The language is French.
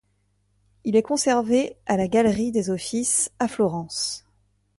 Il est conservé à la Galerie des Offices à Florence.